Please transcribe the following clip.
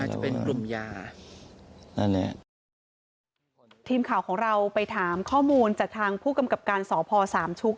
คุณครับทีมข่าวที่ไปถามข้อมูลจากเพื่อของจากภูสศสามชุก